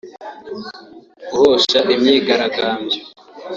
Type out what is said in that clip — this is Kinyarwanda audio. guhosha imyigaragambyo